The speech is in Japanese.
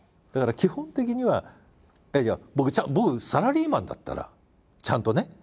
だから基本的にはいや僕サラリーマンだったらちゃんとね。